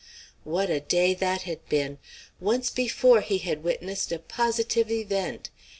What a day that had been! Once before he had witnessed a positive event.